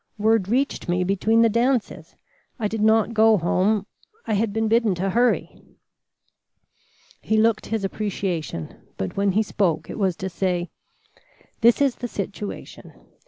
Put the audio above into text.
Word reached me between the dances. I did not go home. I had been bidden to hurry." He looked his appreciation, but when he spoke it was to say: "This is the situation.